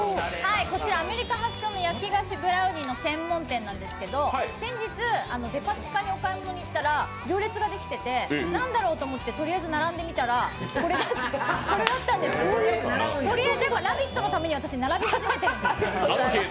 こちらアメリカ発祥の焼き菓子のブラウニーなんですけど先日、デパ地下にお買い物にいったら、行列が出来てて何だろうと思ってとりあえず並んでみたらこれだったんですよ、とりあえず「ラヴィット！」のために並び始めて。